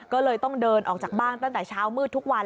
ก็เลยต้องเดินออกจากบ้านตั้งแต่เช้ามืดทุกวัน